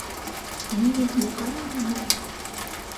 Ме вет могай улына?